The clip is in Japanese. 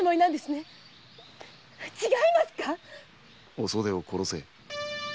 お袖を殺せ！